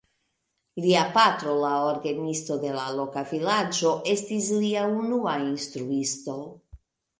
Lia patro, la orgenisto de la loka vilaĝo, estis lia unua instruisto.